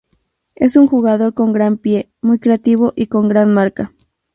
Es un jugador con gran pie, muy creativo y con gran marca.